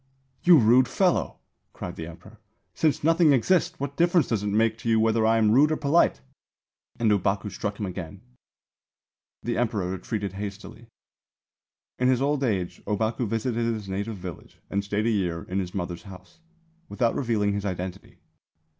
'You rude fellow,' cried the Emperor. 'Since nothing exists, what difference does it make to you whether I am rude or polite?' and Ōbaku struck him again. The Emperor retreated hastily." In his old age Ōbaku visited his native village and stayed a year in his mother's house, without revealing his identity.